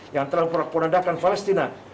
yang telah punadakan palestina